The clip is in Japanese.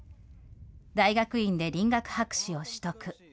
大学院で林学博士を取得。